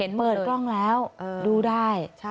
เห็นเปิดกล้องแล้วดูได้